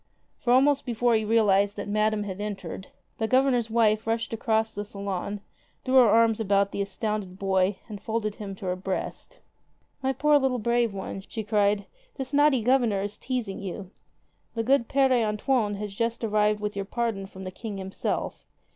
For almost before he realized that Madame had entered, the Governor's wife rushed across the salon, threw her arms about the astounded boy and folded him to her breast. "My poor little brave one!" she cried, "this naughty Governor is teasing you. The good Pere Antoine has just arrived with your pardon from the King himself.